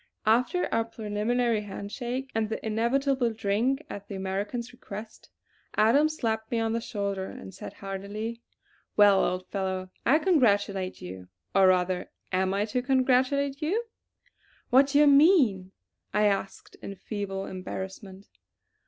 After our preliminary handshaking, and the inevitable drink at the American's request, Adams slapped me on the shoulder and said heartily: "Well, old fellow, I congratulate you; or rather am I to congratulate you?" "What do you mean?" I asked in feeble embarrassment.